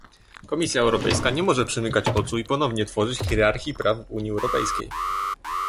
Komisja Europejska nie może przymykać oczu i ponownie tworzyć hierarchii praw w Unii Europejskiej